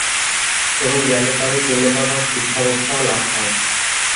কেবল জ্ঞানের দ্বারাই পূর্ণতা বা সিদ্ধাবস্থা লাভ হয়।